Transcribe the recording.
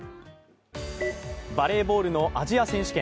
バレーボールのアジア選手権。